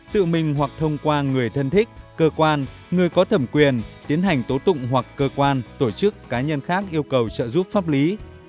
tự mình hoặc thông qua người thân thích cơ quan người có thẩm quyền tiến hành tố tụng hoặc cơ quan tổ chức cá nhân khác yêu cầu trợ giúp pháp lý